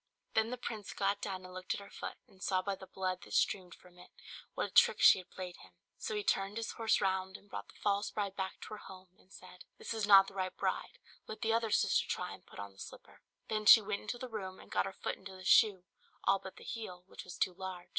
Then the prince got down and looked at her foot, and saw by the blood that streamed from it what a trick she had played him. So he turned his horse round and brought the false bride back to her home, and said, "This is not the right bride; let the other sister try and put on the slipper." Then she went into the room and got her foot into the shoe, all but the heel, which was too large.